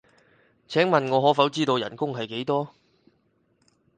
請問我可否知道人工係幾多？